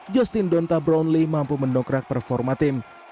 justin donta brownley mampu mendokrak performa tim